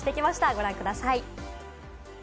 ご覧ください！